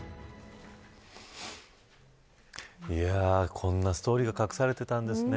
こんなストーリーが隠されてたんですね。